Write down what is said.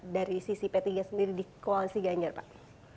dari sisi p tiga sendiri di koalisi ganjar pak